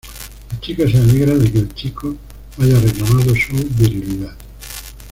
La Chica se alegra de que "El Chico" haya reclamado su virilidad.